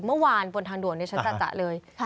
เมื่อวานบนทางด่วนเนี่ยฉันจัดจัดเลย